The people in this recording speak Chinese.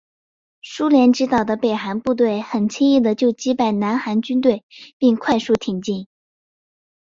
苏联指导的北韩部队很轻易的就击败南韩军队并快速挺进。